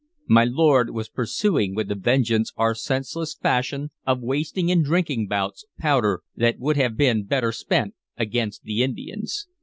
My lord was pursuing with a vengeance our senseless fashion of wasting in drinking bouts powder that would have been better spent against the Indians.